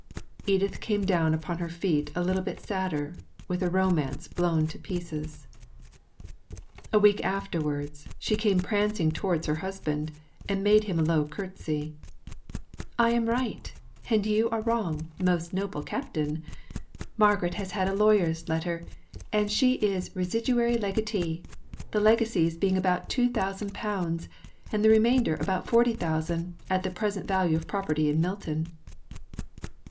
Edith came down upon her feet a little bit sadder; with a romance blown to pieces. A week afterwards, she came prancing towards her husband, and made him a low curtsey: "I am right, and you are wrong, most noble Captain. Margaret has had a lawyer's letter, and she is residuary legatee the legacies being about two thousand pounds, and the remainder about forty thousand, at the present value of property in Milton."